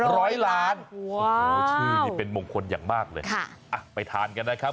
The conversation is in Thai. ร้อยล้านโอ้โหชื่อนี่เป็นมงคลอย่างมากเลยค่ะอ่ะไปทานกันนะครับ